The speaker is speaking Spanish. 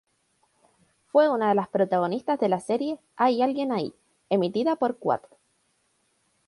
Fue una de las protagonistas de la serie "Hay alguien ahí", emitida por Cuatro.